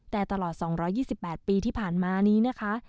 แต่ตลอด๒๒๘ปีที่ผ่านมานี้นะคะ